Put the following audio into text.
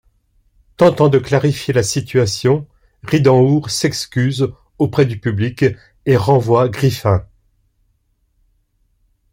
Tentant de clarifier la situation, Ridenhour s'excuse auprès du public et renvoie Griffin.